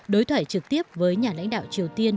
đối thoại trực tiếp với nhà lãnh đạo triều tiên